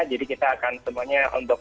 jadi kita akan semuanya untuk